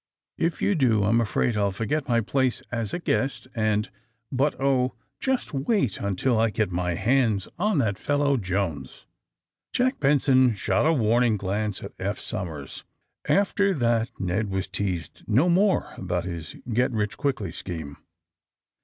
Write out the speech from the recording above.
^^If you do I'm afraid I'll forget my place as a guest, and — But, oh! Just wait until I get my hands on that fellow, Jones !'' Jack Benson shot a warning glance at Eph Somers, After that Ned was teased no more about his get rich quickly scheme.